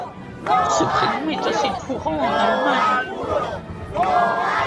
Ce prénom est assez courant en Allemagne.